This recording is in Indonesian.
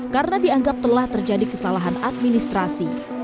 karena dianggap telah terjadi kesalahan administrasi